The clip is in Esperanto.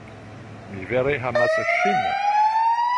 Mi vere amas ŝin.